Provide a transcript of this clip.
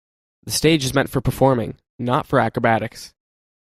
The stage is meant for performing not for acrobatics.